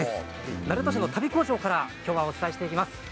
鳴門市の足袋工場から今日はお伝えしていきます。